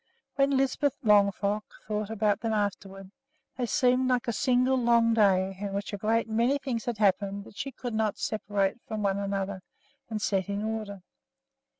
When Lisbeth Longfrock thought about them afterward, they seemed like a single long day in which a great many things had happened that she could not separate from one another and set in order.